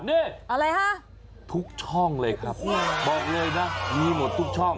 นี่อะไรฮะทุกช่องเลยครับบอกเลยนะมีหมดทุกช่อง